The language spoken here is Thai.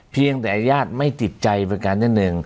เพียงแต่ญาติไม่ติดใจแปลกับการแจ้งหนึ่ง